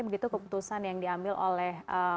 begitu keputusan yang diambil oleh